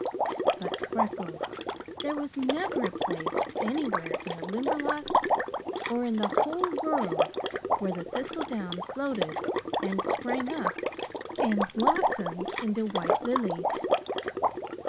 But, Freckles, there was never a place anywhere in the Limberlost, or in the whole world, where the thistledown floated and sprang up and blossomed into white lilies!